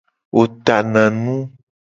Wo tana nu.